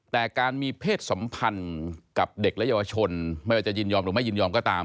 แต่การมีเพศสัมพันธ์กับเด็กและเยาวชนไม่ว่าจะยินยอมหรือไม่ยินยอมก็ตาม